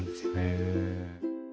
へえ。